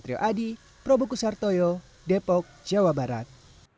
patrio adi probokusartoyo depok jawa barat